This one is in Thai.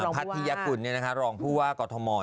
พระธิยกุลรองภุว่ากัทม